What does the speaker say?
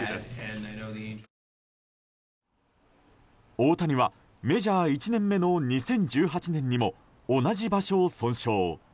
大谷はメジャー１年目の２０１８年にも同じ場所を損傷。